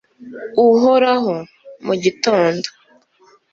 uhoraho, mu gitondo